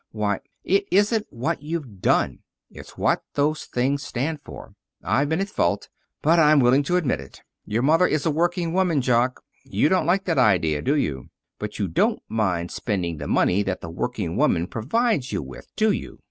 Why " "It isn't what you've done. It's what those things stand for. I've been at fault. But I'm willing to admit it. Your mother is a working woman, Jock. You don't like that idea, do you? But you don't mind spending the money that the working woman provides you with, do you?